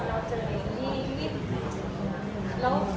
เราต้องเชื่อในสิ่งที่ผู้มันของเขาพูด